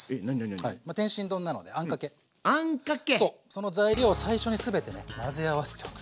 その材料を最初に全てね混ぜ合わせておく。